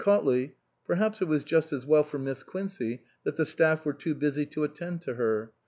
Cautley " Perhaps it was just as well for Miss Quincey that the staff were too busy to attend to her.